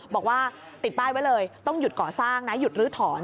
บอกว่าติดป้ายไว้เลยต้องหยุดก่อสร้างนะหยุดลื้อถอน